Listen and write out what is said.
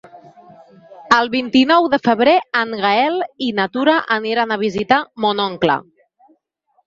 El vint-i-nou de febrer en Gaël i na Tura aniran a visitar mon oncle.